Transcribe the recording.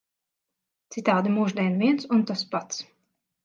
Citādi mūždien viens un tas pats.